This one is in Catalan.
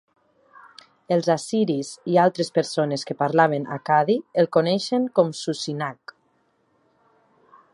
Els assiris i altres persones que parlaven accadi el coneixien com Susinak.